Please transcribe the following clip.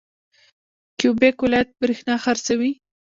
کیوبیک ولایت بریښنا خرڅوي.